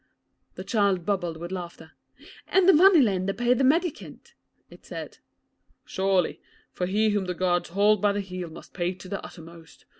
"' The child bubbled with laughter. 'And the moneylender paid the mendicant?' it said. 'Surely, for he whom the Gods hold by the heel must pay to the uttermost.